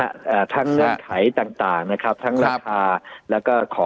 ฮะอาทางเนื่องไขต่างต่างนะครับครับแล้วก็ขอ